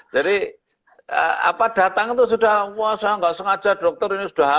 jadi apa datang itu sudah wah saya nggak sengaja dokter ini sudah